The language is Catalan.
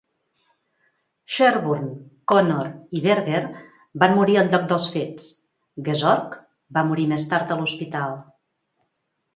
Sherburne, Connor i Berger van morir al lloc dels fets; Gezork va morir més tard a l'hospital.